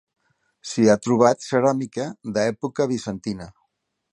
S'hi ha trobat ceràmica d'època bizantina.